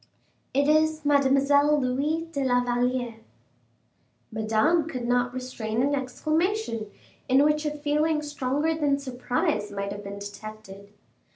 It is Mademoiselle Louise de la Valliere." Madame could not restrain an exclamation, in which a feeling stronger than surprise might have been detected.